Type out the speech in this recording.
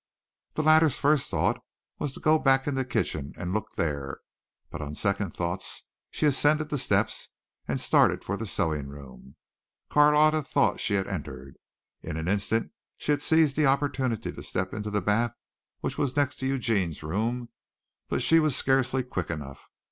The latter's first thought was to go back in the kitchen and look there, but on second thoughts she ascended the steps and started for the sewing room. Carlotta thought she had entered. In an instant she had seized the opportunity to step into the bath which was next to Eugene's room but she was scarcely quick enough.